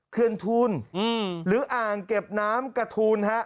เขื่อนทูลหรืออ่างเก็บน้ำกระทูลฮะ